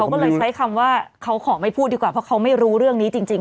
ก็เลยใช้คำว่าเขาขอไม่พูดดีกว่าเพราะเขาไม่รู้เรื่องนี้จริง